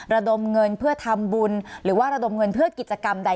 ระดมเงินเพื่อทำบุญหรือว่าระดมเงินเพื่อกิจกรรมใด